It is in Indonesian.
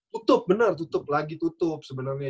tutup bener tutup lagi tutup sebenernya